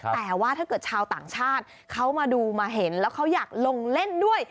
แต่ว่าถ้าเกิดชาวต่างชาติเขามาดูมาเห็นแล้วเขาอยากลงเล่นด้วย